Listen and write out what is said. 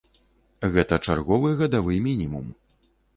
Гэта чарговы гадавы мінімум.